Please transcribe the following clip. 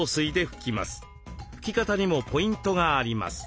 拭き方にもポイントがあります。